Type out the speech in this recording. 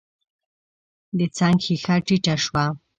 د څنګ ښېښه ټيټه شوه.